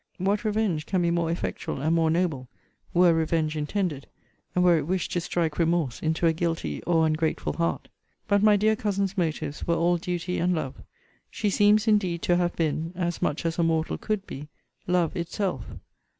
What revenge can be more effectual, and more noble, were revenge intended, and were it wished to strike remorse into a guilty or ungrateful heart! But my dear cousin's motives were all duty and love. She seems indeed to have been, as much as a mortal could be, LOVE itself.